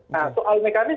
nah soal mekanis